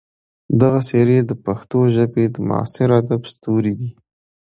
دغه څېرې د پښتو ژبې د معاصر ادب ستوري دي.